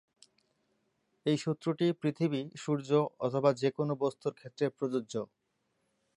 এই সূত্রটি পৃথিবী, সূর্য অথবা যেকোনো বস্তুর ক্ষেত্রে প্রযোজ্য।